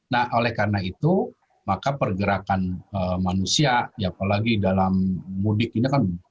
nah oleh karena itu maka pergerakan manusia ya apalagi dalam mudik ini kan